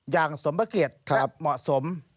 อย่างสมบัติเกลียดถือเหมาะสม